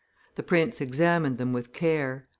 The prince examined them with care.